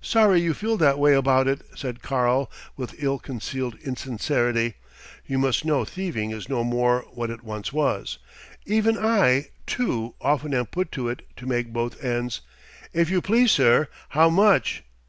"Sorry you feel that way about it," said "Karl" with ill concealed insincerity. "You must know thieving is no more what it once was. Even I, too, often am put to it to make both ends " "If you please, sir how much?"